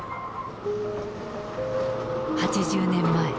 ８０年前。